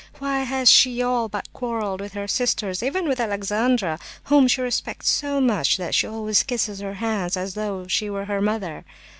Why has she all but quarrelled with her sisters, even with Alexandra—whom she respects so much that she always kisses her hands as though she were her mother?